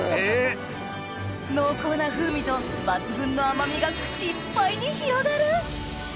濃厚な風味と抜群の甘みが口いっぱいに広がる！